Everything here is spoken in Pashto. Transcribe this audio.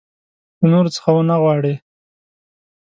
له نورو څه ونه وغواړي.